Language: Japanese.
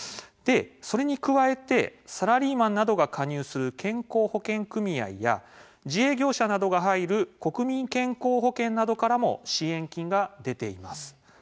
それに加えてサラリーマンなどが加入する健康保険組合や自営業者などが入る国民健康保険などからも支援金が出ています。